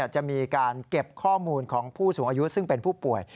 จะมีการเก็บข้อมูลของผู้สูงอายุซึ่งเป็นผู้ป่วย